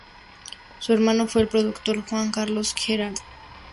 Su hermano fue el productor Juan Carlos Garate.